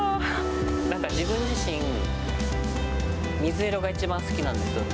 なんか自分自身水色がいちばん好きなんです。